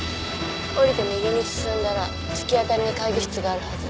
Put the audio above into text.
降りて右に進んだら突き当たりに会議室があるはず。